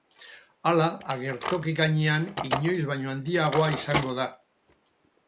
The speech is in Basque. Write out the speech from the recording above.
Hala, agertoki gainean inoiz baino handiagoa izango da.